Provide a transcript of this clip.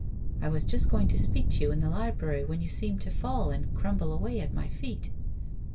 I was just going to speak to you in the library when you seemed to fall and crumble away at my feet.'